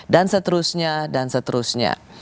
dan seterusnya dan seterusnya